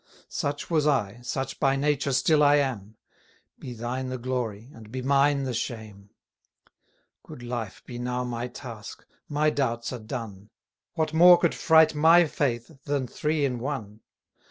Such was I, such by nature still I am; Be thine the glory, and be mine the shame. Good life be now my task; my doubts are done: What more could fright my faith, than Three in One?